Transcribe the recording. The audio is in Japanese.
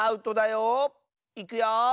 いくよ。